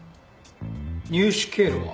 入手経路は？